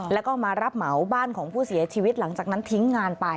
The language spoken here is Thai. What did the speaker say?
แล้วก็มารับเหมาบ้านของผู้เสียชีวิตหลังจากนั้นทิ้งงานไป